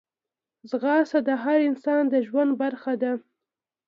ځغاسته د هر انسان د ژوند برخه ده